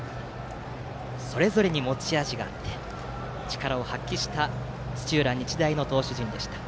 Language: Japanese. それぞれに持ち味があって力を発揮した土浦日大の投手陣でした。